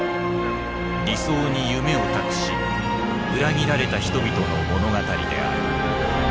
理想に夢を託し裏切られた人々の物語である。